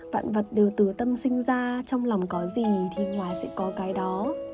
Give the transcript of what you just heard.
vạn vật đều từ tâm sinh ra trong lòng có gì thì ngoài sẽ có cái đó